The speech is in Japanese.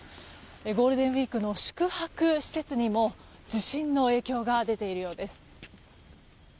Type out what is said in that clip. ゴールデンウィークの宿泊施設にも地震の影響が出ているようです。